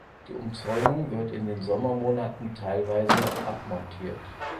Die Umzäunung wird in den Sommermonaten teilweise abmontiert.